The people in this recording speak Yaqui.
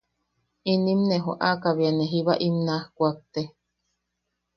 Inim ne joʼaka bea ne jiba im naaj kuakte, .